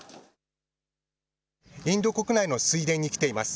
インド国内の水田に来ています。